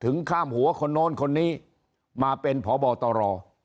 ข้ามหัวคนโน้นคนนี้มาเป็นพบตร